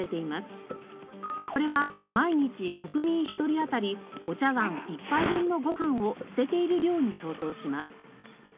これは毎日国民１人あたりお茶わん１杯分のご飯を捨てている量に相当します。